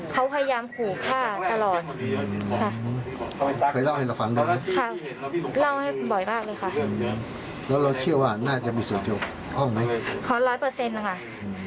เขาพยายามผูกค่าตลอดขอร้อยเปอร์เซ็นต์นะคะ